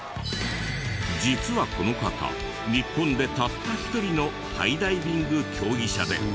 実はこの方日本でたった一人のハイダイビング競技者で。